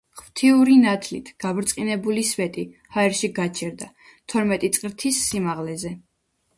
ღვთიური ნათლით გაბრწყინებული სვეტი ჰაერში გაჩერდა თორმეტი წყრთის სიმაღლეზე.